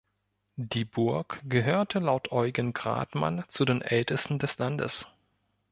Die Burg gehörte laut Eugen Gradmann zu den „ältesten des Landes“.